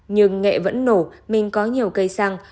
nhưng nghệ vẫn nổ mình có nhiều cây xăng